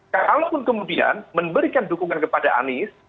kalaupun kemudian memberikan dukungan kepada anies